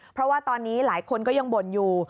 เพราะว่าตอนนี้หลายคนก็ยังบ่นอยู่